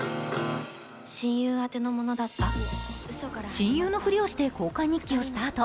親友のふりをして交換日記をスタート。